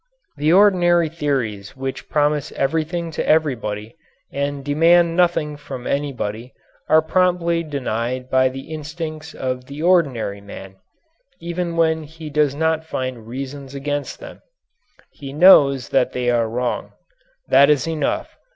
The ordinary theories which promise everything to everybody, and demand nothing from anybody, are promptly denied by the instincts of the ordinary man, even when he does not find reasons against them. He knows they are wrong. That is enough.